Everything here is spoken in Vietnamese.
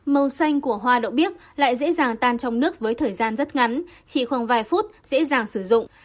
màu xanh của hoa đậu bích lại dễ dàng tan trong nước với thời gian rất ngắn chỉ khoảng vài phút dễ dàng sử dụng